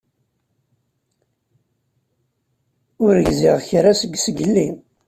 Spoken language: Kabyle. Ur gziɣ kra seg zgelli.